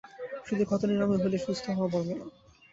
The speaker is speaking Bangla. শুধু ক্ষত নিরাময় হলেই সুস্থ হওয়া বলে না।